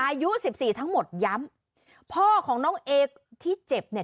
อายุสิบสี่ทั้งหมดย้ำพ่อของน้องเอที่เจ็บเนี่ย